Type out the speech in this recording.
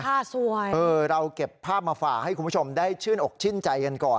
สวยเออเราเก็บภาพมาฝากให้คุณผู้ชมได้ชื่นอกชื่นใจกันก่อน